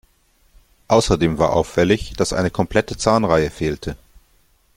Außerdem war auffällig, dass eine komplette Zahnreihe fehlte.